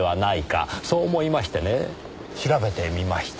そう思いましてね調べてみました。